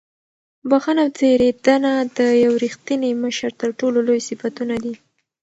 بښنه او تېرېدنه د یو رښتیني مشر تر ټولو لوی صفتونه دي.